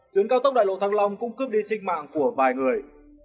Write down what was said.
tuyến cao tốc đại lộ thăng long cũng cướp đi sinh mạng của vài người